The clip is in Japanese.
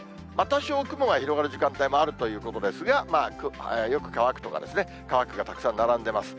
多少雲が広がる時間帯もあるということですが、よく乾くとか、乾くがたくさん並んでます。